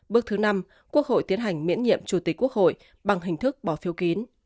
bước thứ năm quốc hội tiến hành miễn nhiệm chủ tịch quốc hội bằng hình thức bỏ phiếu kín